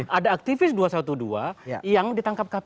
karena ada aktivis dua ratus dua belas yang ditangkap kpk